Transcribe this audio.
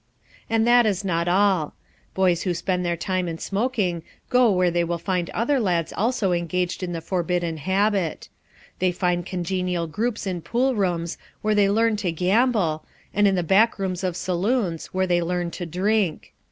And that is not all. Boys who spend their time in smoking go where they will find other lads also engaged in the forbidden habit. They find congenial groups in pool rooms, where they learn to gamble, and in the back rooms of saloons, where they learn to drink.